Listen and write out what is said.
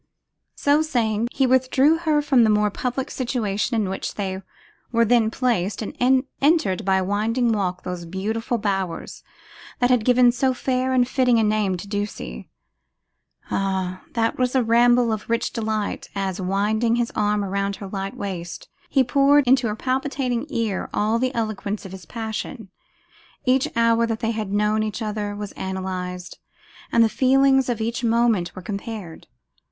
So saying, he withdrew her from the more public situation in which they were then placed, and entered, by a winding walk, those beautiful bowers that had given so fair and fitting a name to Ducie. Ah! that was a ramble of rich delight, as, winding his arm round her light waist, he poured into her palpitating ear all the eloquence of his passion. Each hour that they had known each other was analysed, and the feelings of each moment were compared.